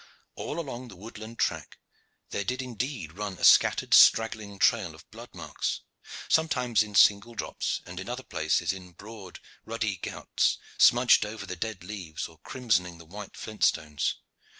All along the woodland track there did indeed run a scattered straggling trail of blood marks, sometimes in single drops, and in other places in broad, ruddy gouts, smudged over the dead leaves or crimsoning the white flint stones.